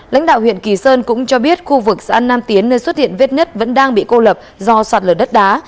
lãnh đạo huyện kỳ sơn cũng cho biết khu vực xã nam tiến nơi xuất hiện vết nứt vẫn đang bị cô lập do sạt lở đất đá